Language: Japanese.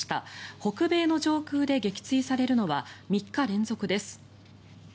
北米の上空で撃墜されるのは３日連続です。